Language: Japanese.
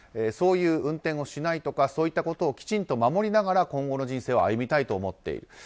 そういう運転をしないとかそういったことを、きちんと守りながら今後の人生を歩みたいと思っている。